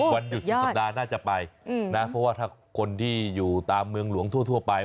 วันหยุดสุดสัปดาห์น่าจะไปนะเพราะว่าถ้าคนที่อยู่ตามเมืองหลวงทั่วไป